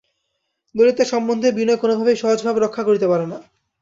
ললিতা সম্বন্ধে বিনয় কোনোমতেই সহজ ভাব রক্ষা করিতে পারে না।